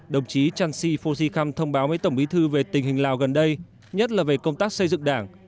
đồng chí chan si phô si khăm thông báo với tổng bí thư về tình hình lào gần đây nhất là về công tác xây dựng đảng